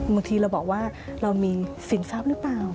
บางทีเราบอกว่าเรามีสินทรัพย์หรือเปล่า